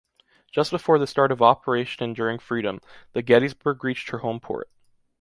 Just before the start of Operation Enduring Freedom, the “Gettysburg” reached her home port.